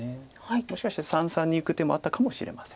もしかして三々にいく手もあったかもしれません。